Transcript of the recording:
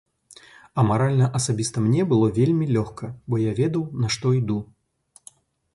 А маральна асабіста мне было вельмі лёгка, бо я ведаў, на што іду.